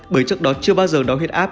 bởi trước đó chưa bao giờ đo huyết áp